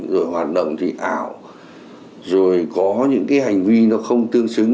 rồi hoạt động thì ảo rồi có những cái hành vi nó không tương xứng